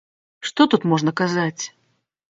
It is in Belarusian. Што тут можна казаць?